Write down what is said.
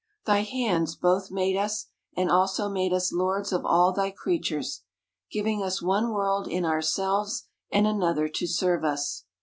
Thy hands both made us, and also made us lords of all thy creatures ; giving us one world in ourselves, and another to serve us.